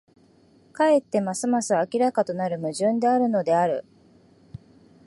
かえってますます明らかとなる矛盾であるのである。